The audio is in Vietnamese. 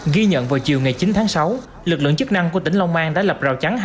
ghi nhận vào chiều ngày chín tháng sáu lực lượng chức năng của tỉnh long an đã lập rào chắn